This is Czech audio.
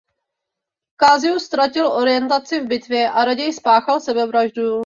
Cassius ztratil orientaci v bitvě a raději spáchal sebevraždu.